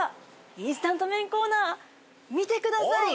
インスタント麺コーナー見てください